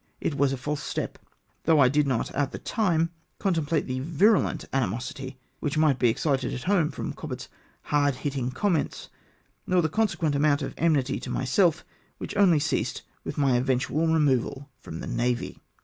It was a false step, though I did not at the time contemplate the virulent animosity which might be excited at home from Cobbett's hard hitting com ments, nor the consequent amount of enmity to myself, which only ceased with my eventual removal from the Navy!